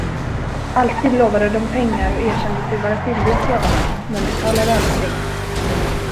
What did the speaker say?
Alltid lovade de pengar och erkände sig vara skyldiga sådana, men betalade aldrig.